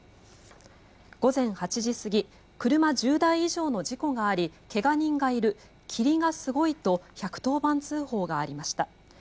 午前８時過ぎ車１０台以上の事故があり怪我人がいる霧がすごいと１１０番通報がありました。